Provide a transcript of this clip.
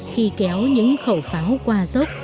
khi kéo những khẩu pháo qua dốc